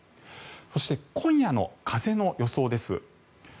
そして、今夜の風の予想です。